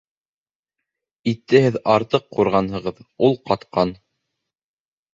Итте һеҙ артыҡ ҡурғанһығыҙ, ул ҡатҡан